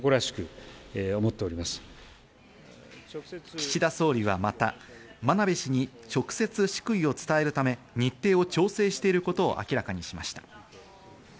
岸田総理はまた、真鍋氏に直接祝意を伝えるため、日程を調整していることを明らかにしました。